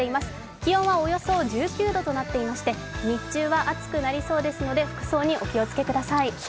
気温はおよそ１９度となっていまして日中は暑くなりそうなので服装にはお気をつけください。